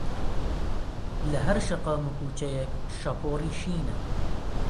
لەهەر شەقام و کووچەیەک شەپۆڕی شینە